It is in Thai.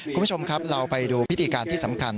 คุณผู้ชมครับเราไปดูพิธีการที่สำคัญ